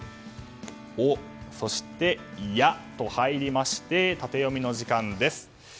「オ」「ヤ」と入りましてタテヨミの時間です。